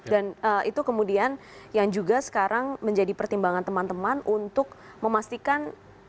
dan itu kemudian yang juga sekarang menjadi pertimbangan teman teman untuk memastikan